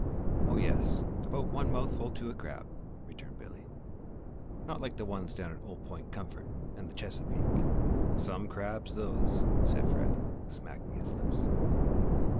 "Oh, yes, about one mouthful to a crab," returned Billy. "Not like the ones down at Old Point Comfort and the Chesapeake! some crabs, those!" said Fred, smacking his lips.